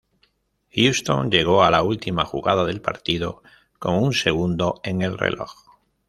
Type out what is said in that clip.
Houston llegó a la última jugada del partido con un segundo en el reloj.